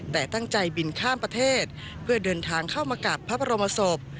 แต่ตั้งใจบินข้ามประเทศเพื่อเดินทางเข้ามากราบพระบรมศพ